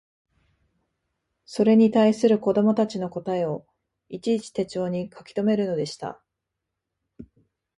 それに対する子供たちの答えをいちいち手帖に書きとめるのでした